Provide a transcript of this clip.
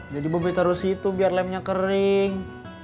jadi mbak b taruh di situ biar lemnya kering